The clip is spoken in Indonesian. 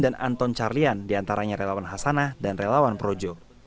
dan relawan anton carlian di antaranya relawan hasanah dan relawan projo